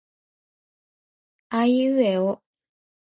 aiueo